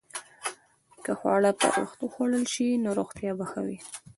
که خواړه پر وخت وخوړل شي، نو روغتیا به ښه وي.